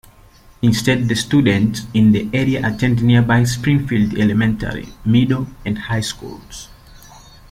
Instead, the students in the area attend nearby Springfield Elementary, Middle, and High Schools.